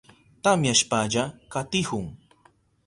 Tamyashpalla katihun.